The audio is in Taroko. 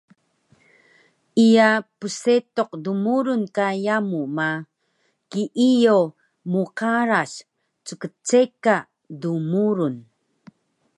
Iya psetuq dmurun ka yamu ma, kiiyo mqaras ckceka dmurun